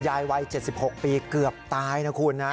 วัย๗๖ปีเกือบตายนะคุณนะ